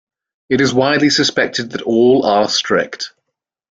It is widely suspected that all are strict.